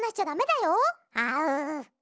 あう。